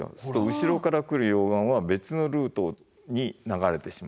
後ろから来る溶岩は別のルートに流れてしまう。